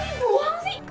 eh tapi kan masih bisa